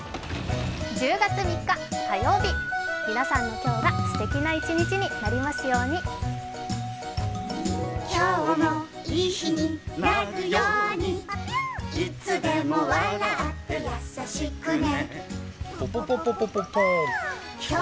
１０月３日火曜日、皆さんの今日がすてきな一日になりますように空がきれいでしたね。